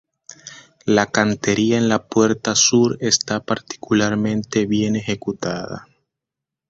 La cantería en la puerta sur está particularmente bien ejecutada.